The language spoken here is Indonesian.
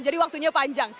jadi waktunya panjang